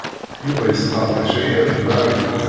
Yuba yesqerdec aya d Mary.